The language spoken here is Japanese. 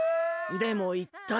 でもいったい。